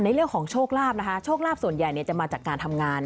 เรื่องของโชคลาภนะคะโชคลาภส่วนใหญ่จะมาจากการทำงาน